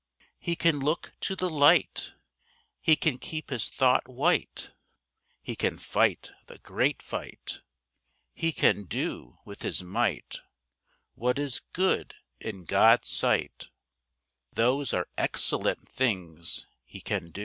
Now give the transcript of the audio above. He can look to the Light, He can keep his thought white, He can fight the great fight, He can do with his might What is good in God's sight Those are excellent things he can do.